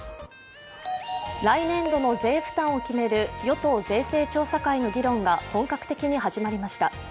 来年度の税負担を決める与党税制調査会の議論が本格的に始まりました。